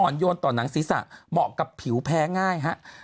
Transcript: โยนต่อหนังศีรษะเหมาะกับผิวแพ้ง่ายฮะ